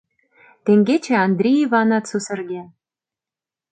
Теҥгече Андри Иванат сусырген.